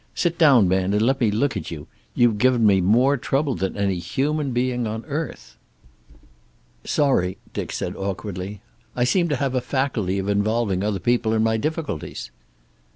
Sit down, man, and let me look at you. You've given me more trouble than any human being on earth." "Sorry," Dick said awkwardly, "I seem to have a faculty of involving other people in my difficulties."